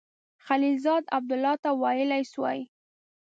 خلیلزاد عبدالله ته ویلای سوای.